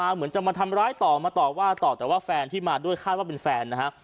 เหมือนจะมาทำร้ายต่อมาต่อว่าต่อแต่ว่าแฟนที่มาด้วยคาดว่าเป็นแฟนนะฮะ